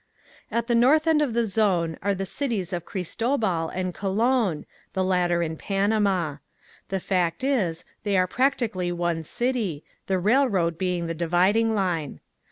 At the north end of the Zone are the cities of Cristobal and Colon, the latter in Panama. The fact is they are practically one city, the railroad being the dividing line.